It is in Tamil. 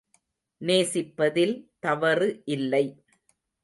நேசிப்பதில் தவறு இல்லை.